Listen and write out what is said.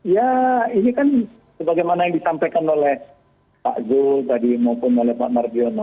ya ini kan sebagaimana yang ditampilkan oleh pak gul tadi maupun oleh pak marjono